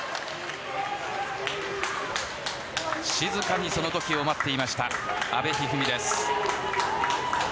静かにその時を待っていました阿部一二三です。